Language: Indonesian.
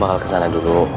lang bakal ke sana dulu